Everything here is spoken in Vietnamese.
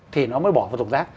thì nó mới bỏ vào thùng rác